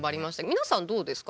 皆さんどうですか？